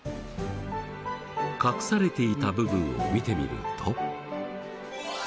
隠されていた部分を見てみると。